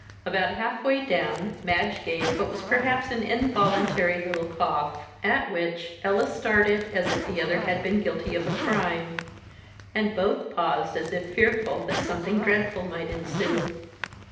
About halfway down, Madge gave what was perhaps an involuntary little cough; at which Ella started as if the other had been guilty of a crime; and both paused as if fearful that something dreadful might ensue.